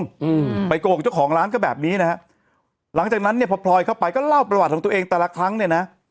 อืมไปโกหกเจ้าของร้านก็แบบนี้นะฮะหลังจากนั้นเนี่ยพอพลอยเข้าไปก็เล่าประวัติของตัวเองแต่ละครั้งเนี่ยนะ